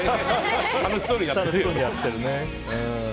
楽しそうにやってるよね。